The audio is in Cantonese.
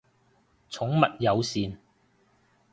寵物友善